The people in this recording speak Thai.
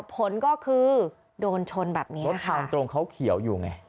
ผลก็คือโดนชนแบบนี้รถทางตรงเขาเขียวอยู่ไง